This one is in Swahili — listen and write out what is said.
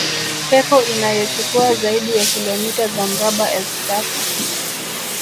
pepo inayochukua zaidi ya kilometa za mraba elfu tatu